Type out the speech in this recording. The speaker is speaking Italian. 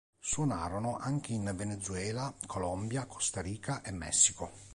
Suonarono anche in Venezuela, Colombia, Costa Rica e Messico.